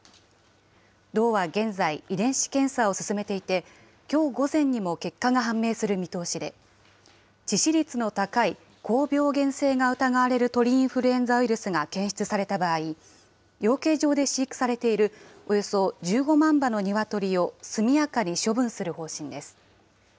道は現在、遺伝子検査を進めていて、きょう午前にも結果が判明する見通しで、致死率の高い高病原性が疑われる鳥インフルエンザウイルスが検出された場合、養鶏場で飼育されているおよそ１５万羽のニワトリを速やかに処分する方針です。